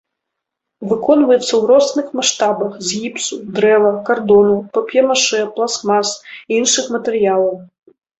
Выконваецца ў розных маштабах з гіпсу, дрэва, кардону, пап'е-машэ, пластмас і іншых матэрыялаў.